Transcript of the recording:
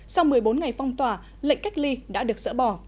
sau một mươi bốn ngày phong tỏa lệnh cách ly đã được dỡ bỏ